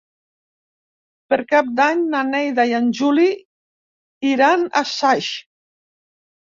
Per Cap d'Any na Neida i en Juli iran a Saix.